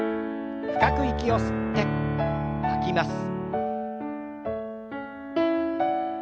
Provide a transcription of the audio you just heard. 深く息を吸って吐きます。